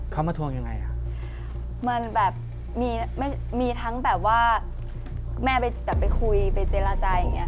มันมาทวงยังไงมันแบบมีทั้งแบบว่าแม่แบบไปคุยไปเจรจาอย่างเงี้ย